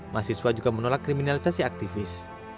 mahasiswa juga menolak kriminalisasi aktivis